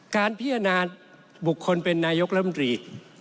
การพิจารณาบุคคลเป็นนายกรัฐมนตรี